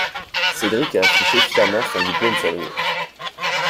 Cédric a affiché fièrement son diplôme sur le mur.